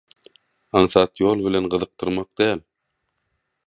aňsat ýol bilen gyzykdyrmak däl